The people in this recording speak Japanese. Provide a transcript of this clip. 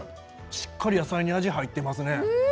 しっかり野菜に味が入っていますね。